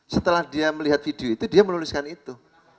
setelah dia melihat video itu dia menuliskan itu